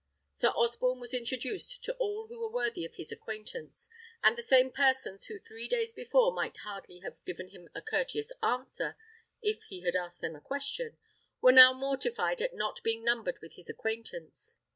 Sir Osborne was introduced to all who were worthy of his acquaintance; and the same persons who three days before might hardly have given him a courteous answer, if he had asked them a question, were now mortified at not being numbered with his acquaintance.